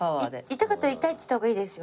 痛かったら痛いって言った方がいいですよ。